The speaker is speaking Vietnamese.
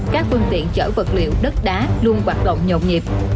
các phương tiện chở vật liệu đất đá luôn hoạt động nhộn nhịp